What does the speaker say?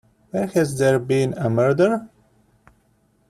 Where has there been a murder?